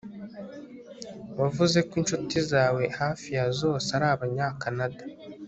Wavuze ko inshuti zawe hafi ya zose ari Abanyakanada